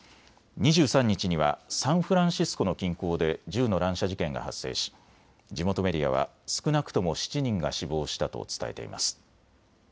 ２３日にはサンフランシスコの近郊で銃の乱射事件が発生し地元メディアは少なくとも７人が死亡したと伝えています。